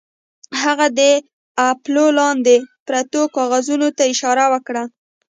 هغه د اپولو لاندې پرتو کاغذونو ته اشاره وکړه